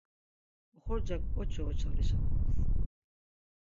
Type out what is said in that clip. Oxorcak ǩoçi oçalişapaps.